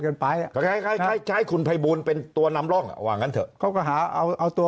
กันไปใช้คุณพัยบูนเป็นตัวนำร่องว่างั้นเถอะก็โกฮเอาตัว